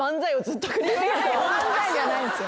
漫才じゃないんですよ。